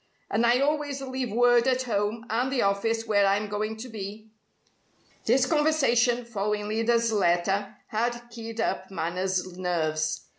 And I always leave word at home and the office where I'm going to be." This conversation, following Lyda's letter, had keyed up Manners' nerves.